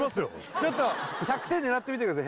ちょっと１００点狙ってみてください